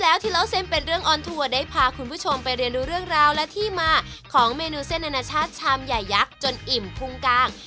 แล้วที่เล่าเส้นเป็นเรื่องออนทัวร์ได้พาคุณผู้ชมไปเรียนรู้เรื่องราวและที่มาของเมนูเส้นอนาชาติชามใหญ่ยักษ์จนอิ่มพุงกลาง